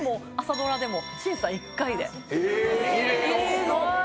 すごい！